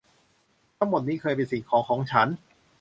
ทั้งหมดนี้เคยเป็นสิ่งของของฉัน